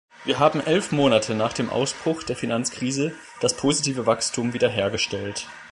Wir haben elf Monate nach dem Ausbruch der Finanzkrise das positive Wachstum wieder hergestellt.